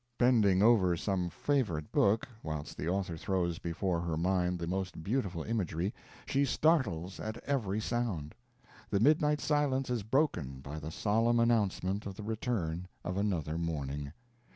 Bending over some favorite book, whilst the author throws before her mind the most beautiful imagery, she startles at every sound. The midnight silence is broken by the solemn announcement of the return of another morning.